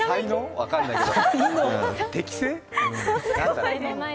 分からないけど。